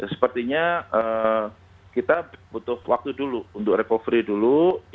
sepertinya kita butuh waktu dulu untuk recovery dulu